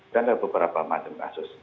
dan ada beberapa macam kasus